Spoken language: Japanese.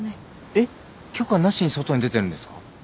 えっ許可なしに外に出てるんですか？